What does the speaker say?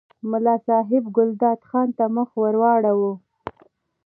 ملا صاحب ګلداد خان ته مخ ور واړاوه.